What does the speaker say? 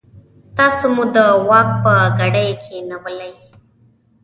تاسو مو د واک په ګدۍ کېنولئ.